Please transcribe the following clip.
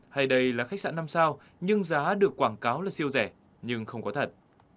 hay đây là khách sạn năm sao nhưng giá được quảng cáo là siêu rẻ nhưng không có thật